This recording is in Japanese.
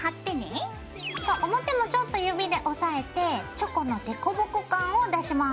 表もちょっと指で押さえてチョコの凸凹感を出します。